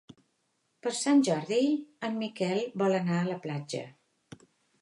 Per Sant Jordi en Miquel vol anar a la platja.